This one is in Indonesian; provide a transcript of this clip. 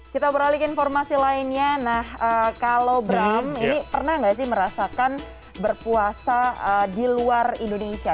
kita beralih ke informasi lainnya nah kalau bram ini pernah nggak sih merasakan berpuasa di luar indonesia